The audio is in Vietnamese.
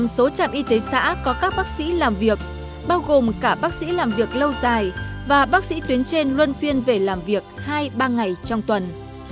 một mươi số trạm y tế xã có các bác sĩ làm việc bao gồm cả bác sĩ làm việc lâu dài và bác sĩ tuyến trên luân phiên về làm việc hai ba ngày trong tuần